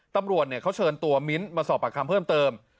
ตำรวจเขาเชิญตัวมิ้นท์มาสอบปากคำเพิ่มเติม